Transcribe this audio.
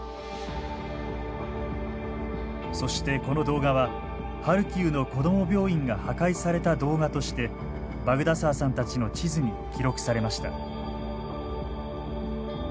そしてこの動画はハルキウの子ども病院が破壊された動画としてバグダサーさんたちの地図に記録されました。